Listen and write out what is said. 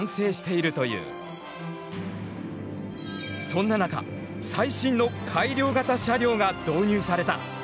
そんな中最新の改良型車両が導入された。